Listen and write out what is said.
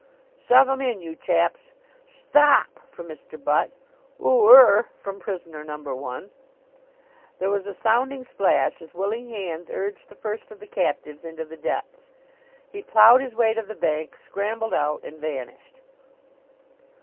"Shove 'em in, you chaps." "Stop!" From Mr. Butt. "Oo er!" From prisoner number one. There was a sounding splash as willing hands urged the first of the captives into the depths. He ploughed his way to the bank, scrambled out, and vanished.